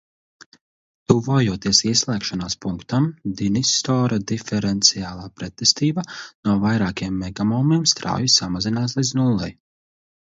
Tuvojoties ieslēgšanās punktam, dinistora diferenciālā pretestība no vairākiem megaomiem strauji samazinās līdz nullei.